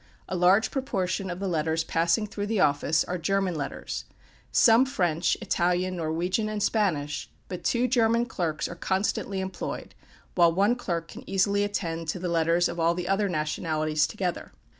A large proportion of the letters passing through the office are German letters some French, Italian, Norwegian, and Spanish; but two German clerks are constantly employed, while one clerk can easily attend to the letters of all the other different nationalities together.